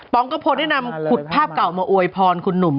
กระโพได้นำขุดภาพเก่ามาอวยพรคุณหนุ่ม